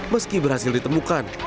meski berhasil ditemukan